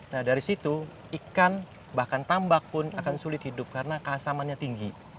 nah dari situ ikan bahkan tambak pun akan sulit hidup karena keasamannya tinggi